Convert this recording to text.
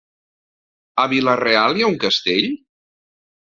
A Vila-real hi ha un castell?